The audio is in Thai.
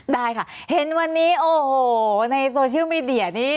ได้ค่ะเห็นวันนี้โอ้โหในโซเชียลมีเดียนี้